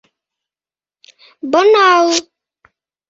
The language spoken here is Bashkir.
Бына ул